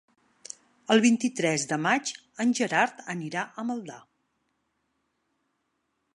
El vint-i-tres de maig en Gerard anirà a Maldà.